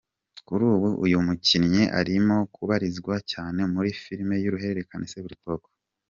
Kuri ubu uyu mukinnyi arimo kubarizwa cyane muri Filime y’uruhererekane Seburikoko.